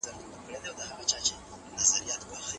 که انا ته لږ وخت ورکړل شي، هغه به ارامه شي.